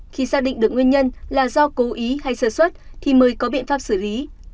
khi xác định được nguyên nhân là do cố ý hay sơ xuất thì mới có biện pháp xử lý